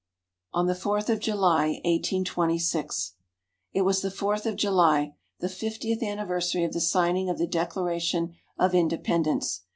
ON THE FOURTH OF JULY 1826 It was the Fourth of July, the fiftieth anniversary of the Signing of the Declaration of Independence.